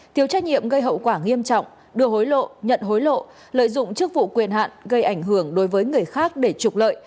thiếu trách nhiệm gây hậu quả nghiêm trọng đưa hối lộ nhận hối lộ lợi dụng chức vụ quyền hạn gây ảnh hưởng đối với người khác để trục lợi